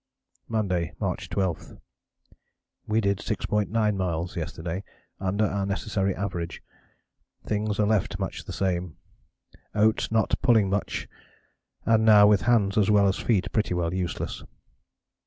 "Monday, March 12. We did 6.9 miles yesterday, under our necessary average. Things are left much the same, Oates not pulling much, and now with hands as well as feet pretty well useless.